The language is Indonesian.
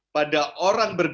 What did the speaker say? pada orang berbeza